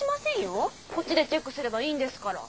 こっちでチェックすればいいんですから。